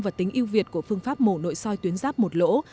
và tính yêu việt của phương pháp mổ nội soi tuyến ráp một lỗ